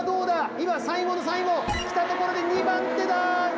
今最後の最後来たところで２番手だ。